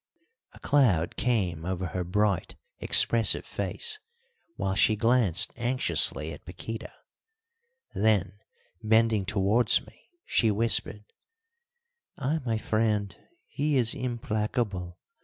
A cloud came over her bright, expressive face, while she glanced anxiously at Paquíta; then, bending towards me, she whispered, "Ah, my friend, he is implacable!